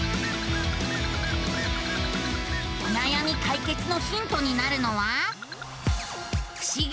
おなやみ解決のヒントになるのは。